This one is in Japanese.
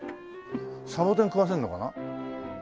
サボテン食わせるのかな？